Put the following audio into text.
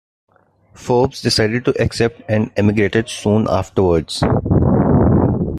Forbes decided to accept and emigrated soon afterwards.